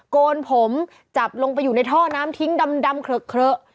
โกนผมจับลงไปอยู่ในท่อน้ำทิ้งดำเคลอะ